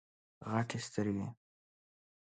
غټي سترګي